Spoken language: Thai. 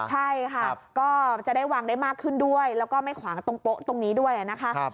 ใช่ค่ะก็จะได้วางได้มากขึ้นด้วยแล้วก็ไม่ขวางตรงโป๊ะตรงนี้ด้วยนะคะ